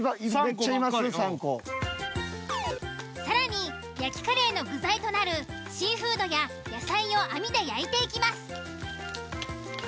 更に焼きカレーの具材となるシーフードや野菜を網で焼いていきます。